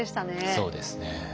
そうですね。